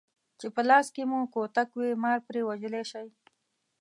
چې په لاس کې مو کوتک وي مار پرې وژلی شئ.